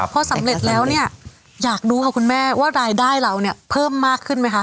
พอสำเร็จแล้วเนี่ยอยากรู้ค่ะคุณแม่ว่ารายได้เราเนี่ยเพิ่มมากขึ้นไหมคะ